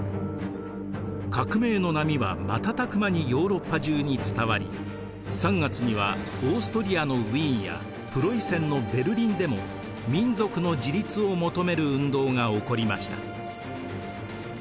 革命の波は瞬く間にヨーロッパ中に伝わり３月にはオーストリアのウィーンやプロイセンのベルリンでも民族の自立を求める運動が起こりました。